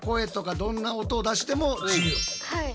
はい。